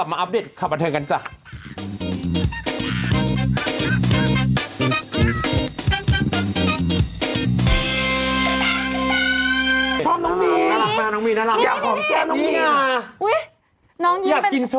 เขาเปิดตัวแฟนชั้นนี้แล้วคุณแม่ก็เสียอะไรกัน